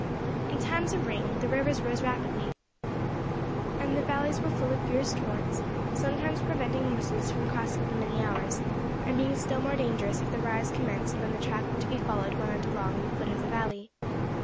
In times of rain the rivers rose rapidly, and the valleys were full of fierce torrents, sometimes preventing horses from crossing for many hours, and being still more dangerous if the rise commenced when the track to be followed wound along in the foot of the valley.